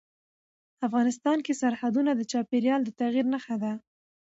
افغانستان کې سرحدونه د چاپېریال د تغیر نښه ده.